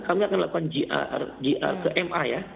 kami akan lakukan gr ke ma ya